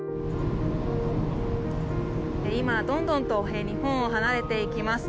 今、どんどんと日本を離れていきます。